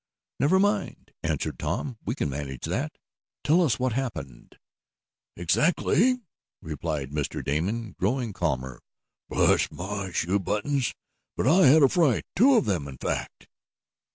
"Never mind," answered Tom. "We can manage that. Tell us what happened." "Exactly," replied Mr. Damon, growing calmer, "Bless my shoe buttons, but I had a fright, two of them, in fact.